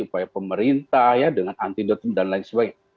upaya pemerintah ya dengan antidotum dan lain sebagainya